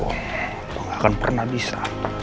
lo gak akan pernah bisa